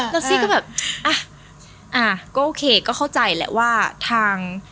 แล้วซี่ก็แบบอ่ะอ่าก็โอเคก็เข้าใจแหละว่าทาง